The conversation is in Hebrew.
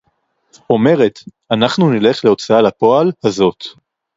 אומרת: אנחנו נלך להוצאה לפועל הזאת